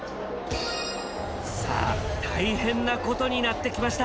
さあ大変なことになってきました。